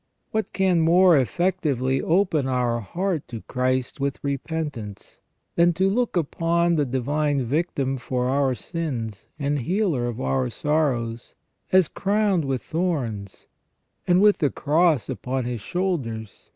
What can more effectually open our heart to Christ with repentance, than to look upon the Divine Victim for our sins and healer of our sorrows, as, crowned with thorns, and with the Cross upon His shoulders.